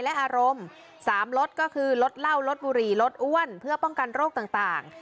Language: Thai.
และอารมณ์๓ลดก็คือลดเหล้าลดบุหรี่ลดอ้วนเพื่อป้องกันโรคต่าง